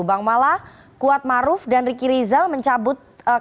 bang mala kuatmaruf dan riki rizal mencabut keterangan